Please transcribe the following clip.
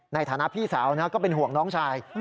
ในฐานะพี่สาวนะก็เป็นห่วงน้องชาย